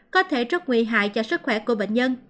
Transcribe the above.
có thể rất nguy hại cho sức khỏe của bệnh nhân